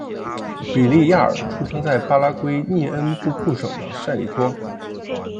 比利亚尔出生在巴拉圭涅恩布库省的塞里托。